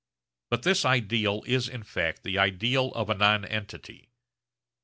But this ideal is in fact the ideal of a nonentity.